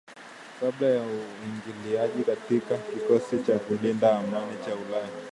kabla ya uingiliaji kati wa kikosi cha kulinda amani cha ulaya